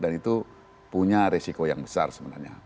dan itu punya resiko yang besar sebenarnya